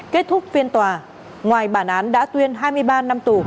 kết thúc phiên tòa ngoài bản án đã tuyên hai mươi ba năm tù